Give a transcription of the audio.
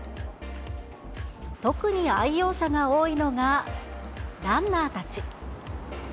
特に愛用者が多いのが、ランナーたち。